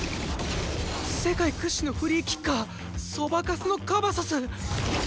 世界屈指のフリーキッカーそばかすのカバソス！